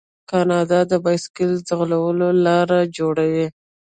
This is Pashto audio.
کاناډا د بایسکل ځغلولو لارې جوړوي.